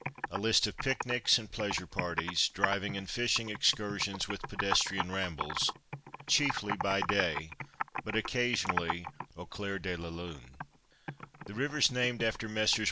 A list of picnics and pleasure parties, driving and fishing excursions, with pedestrian rambles—chiefly by day, but occasionally au clair de la lune. The rivers named after Messrs.